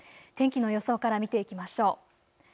天気の予想から見ていきましょう。